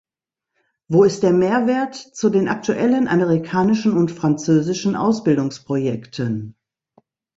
Wo ist der Mehrwert zu den aktuellen amerikanischen und französischen Ausbildungsprojekten?